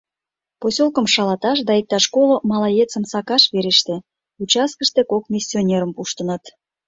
Посёлкым шалаташ да иктаж коло малаецым сакаш вереште: участкыште кок миссионерым пуштыныт.